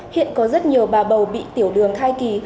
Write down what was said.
hiện có rất nhiều bà bầu bị tiểu đường thai kỳ